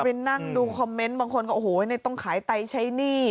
ไปนั่งดูคอมเมนต์บางคนก็โอ้โหต้องขายไตใช้หนี้